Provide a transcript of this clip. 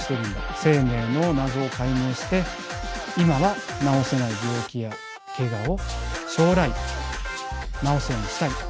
生命の謎を解明して今は治せない病気やけがを将来治すようにしたい。